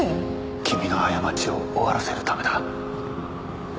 君の過ちを終わらせるためだ。